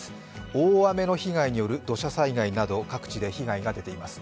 大雨の被害による土砂災害など各地で被害が出ています。